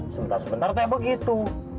sebentar sebentar teh begitu